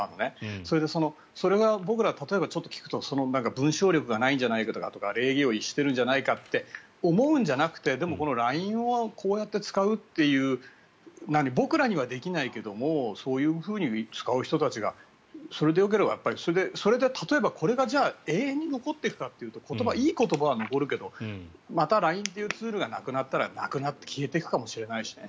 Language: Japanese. それで、それが僕らちょっと聞くと文章力がないんじゃないかとか礼儀を失しているんじゃないかとか思うんじゃなくてＬＩＮＥをこうやって使うという僕らにはできないけどもそういうふうに使う人たちがそれでよければ例えば、これが永遠に残っていくかというといい言葉は残るけどまた、ＬＩＮＥというツールがなくなったらなくなって消えていくかもしれないしね。